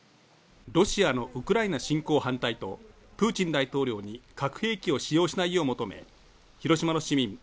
ロシアのウクライナ侵攻反対と、プーチン大統領に核兵器を使用しないよう求め、広島の市民